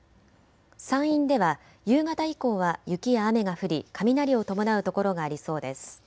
山陰では夕方以降は雪や雨が降り雷を伴う所がありそうです。